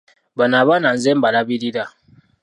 Bano abaana nze mbalabirira.